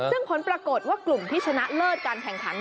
ซึ่งผลปรากฏว่ากลุ่มที่ชนะเลิศการแข่งขัน